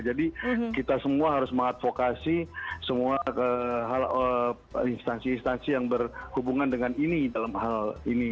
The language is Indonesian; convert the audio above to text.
kita semua harus mengadvokasi semua instansi instansi yang berhubungan dengan ini dalam hal ini